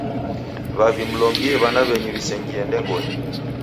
W'avi mlombie w'ana w'enyu w'isengie ndengonyi.